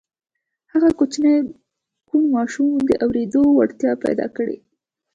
هغه کوچني کوڼ ماشوم د اورېدو وړتیا پیدا کړه